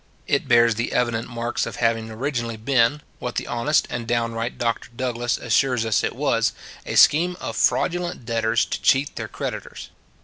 It bears the evident marks of having originally been, what the honest and downright Doctor Douglas assures us it was, a scheme of fraudulent debtors to cheat their creditors.